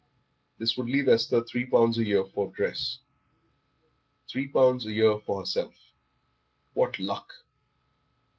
This would leave Esther three pounds a year for dress; three pounds a year for herself. What luck!